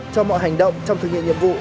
cho mọi hành động trong thực hiện nhiệm vụ